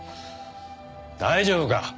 大丈夫か？